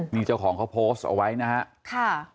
มีเจ้าของเขาโพสต์เอาไว้นะฮะ